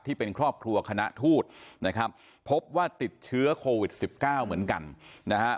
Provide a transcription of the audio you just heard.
ที่เป็นครอบครัวคณะทูตนะครับพบว่าติดเชื้อโควิด๑๙เหมือนกันนะฮะ